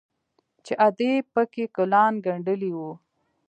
چې ادې پکښې ګلان گنډلي وو.